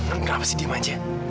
nond kenapa kamu diam saja